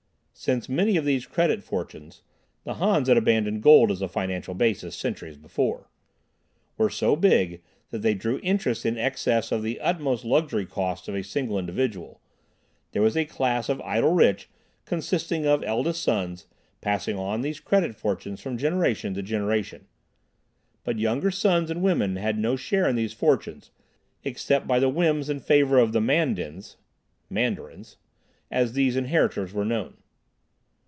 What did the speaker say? Since many of these credit fortunes (The Hans had abandoned gold as a financial basis centuries before) were so big that they drew interest in excess of the utmost luxury costs of a single individual, there was a class of idle rich consisting of eldest sons, passing on these credit fortunes from generation to generation. But younger sons and women had no share in these fortunes, except by the whims and favor of the "Man Dins" (Mandarins), as these inheritors were known.